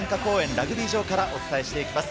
ラグビー場からお伝えしてきます。